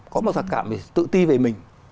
có một tức mặc cảm về tự ti về mình